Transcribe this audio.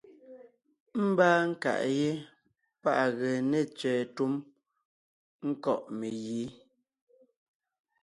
Ḿbaa nkàʼ yé páʼ à gee ne tsẅɛ̀ɛ túm ńkɔ̂ʼ megǐ.